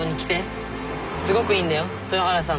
すごくいいんだよ豊原さんのピアノ。